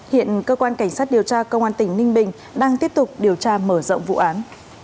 hiện cơ quan cảnh sát điều tra công an tỉnh ninh bình đang tiếp tục điều tra mở rộng vụ án